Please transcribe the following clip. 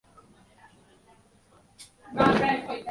তিনি মহিলাদের জন্য উচ্চ শিক্ষার উপর একটি বই লিখেছেন।